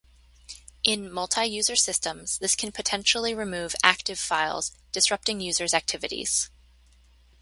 In multi-user systems, this can potentially remove "active" files, disrupting users' activities.